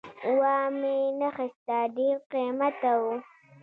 وامې نه خیسته ډېر قیمته وو